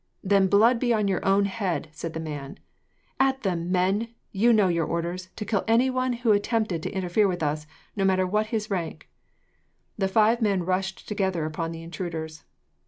"Then your blood be on your own head!" the man said. "At them, men! you know your orders to kill anyone who attempted to interfere with us, no matter what his rank." The five men rushed together upon the intruders.